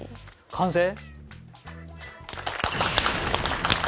完成？